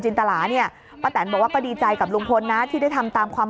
ตลาเนี่ยป้าแตนบอกว่าก็ดีใจกับลุงพลนะที่ได้ทำตามความ